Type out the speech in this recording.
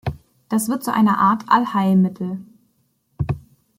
Das wird zu einer Art Allheilmittel.